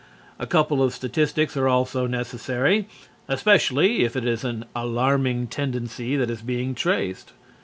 A couple of statistics are also necessary, especially if it is an alarming tendency that is being traced.